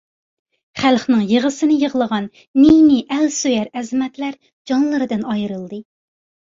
خەلقنىڭ يىغىسىنى يىغلىغان نى-نى ئەل سۆيەر ئەزىمەتلەر جانلىرىدىن ئايرىلدى.